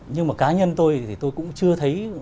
nhưng mà cá nhân tôi thì tôi cũng chưa thấy